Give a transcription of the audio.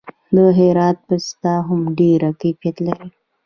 د هرات پسته هم ډیر کیفیت لري.